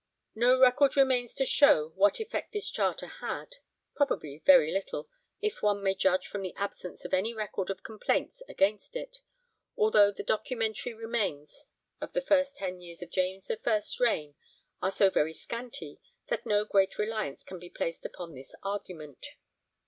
No record remains to show what effect this charter had; probably very little, if one may judge from the absence of any record of complaints against it, although the documentary remains of the first ten years of James I's reign are so very scanty that no great reliance can be placed upon this argument.